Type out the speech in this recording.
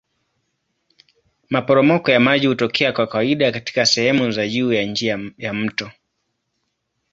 Maporomoko ya maji hutokea kwa kawaida katika sehemu za juu ya njia ya mto.